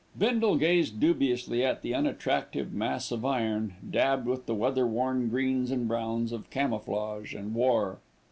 Bindle gazed dubiously at the unattractive mass of iron, dabbed with the weather worn greens and browns of camouflage and war.